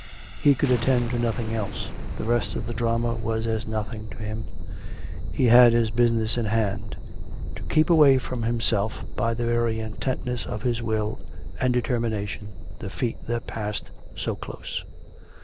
He could attend to nothing else; the rest of the drama was as nothing to him: he had his business in hand — to keep away from himself, by the very intentness of his will and determination, the feet that passed so close.